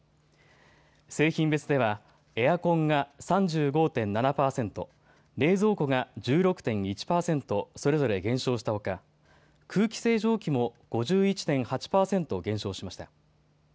製品別ではエアコンが３５．７％、冷蔵庫が１６．１％それぞれ減少したほか空気清浄機も５１．８％減少しました。